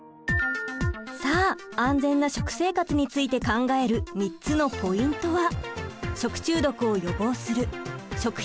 さあ安全な食生活について考える３つのポイントは。